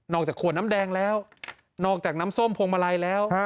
จากขวดน้ำแดงแล้วนอกจากน้ำส้มพวงมาลัยแล้ว